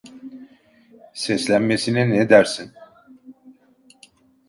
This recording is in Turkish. Seslenmesine ne dersin?